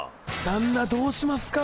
旦那どうしますか？